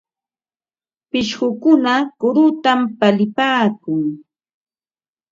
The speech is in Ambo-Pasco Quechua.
Pishqukuna kurutam palipaakun.